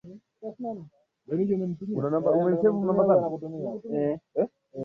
wa wa tatu kuja eneo hilo ni Mtawala Magoma wa Tegetero na kisha watawala